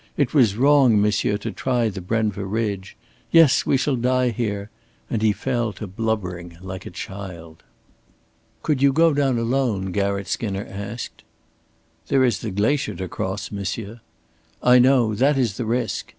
It was wrong, monsieur, to try the Brenva ridge. Yes, we shall die here"; and he fell to blubbering like a child. "Could you go down alone?" Garratt Skinner asked. "There is the glacier to cross, monsieur." "I know. That is the risk.